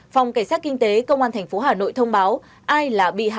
phòng cảnh sát kinh tế công an tp hà nội thông báo ai là bị hại